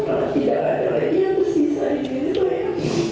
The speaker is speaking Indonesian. kalau tidak ada lagi yang tersisa di diri saya